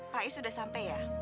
pak is sudah santai ya